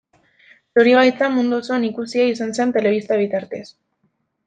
Zorigaitza mundu osoan ikusia izan zen telebista bitartez.